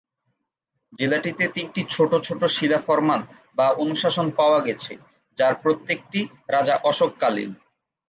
জেলাটিতে তিনটি ছোট ছোট শিলা ফরমান বা অনুশাসন পাওয়া গেছে যার প্রত্যেকটি রাজা অশোককালীন।